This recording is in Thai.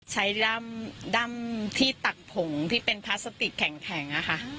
ใช้ดำที่ตักผงที่เป็นพลาสติกแข็งแข็ง